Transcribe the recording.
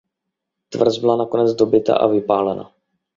Tvrz byla nakonec dobyta a vypálena.